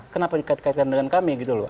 kenapa dikaitkan dengan kami gitu loh